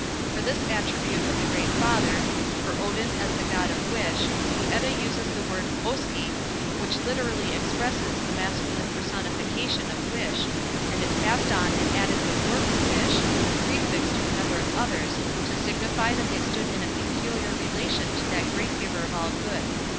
For this attribute of the Great Father, for Odin as the God of Wish, the Edda uses the word "Oski" which literally expresses the masculine personification of "Wish", and it passed on and added the works wish, as a prefix to a number of others, to signify that they stood in a peculiar relation to the great giver of all good.